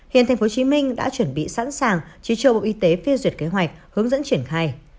hiện tp hcm đã chuẩn bị sẵn sàng chứ cho bộ y tế phê duyệt kế hoạch hướng dẫn triển khai